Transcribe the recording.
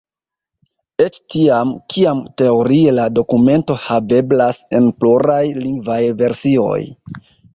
Eĉ tiam, kiam teorie la dokumento haveblas en pluraj lingvaj versioj.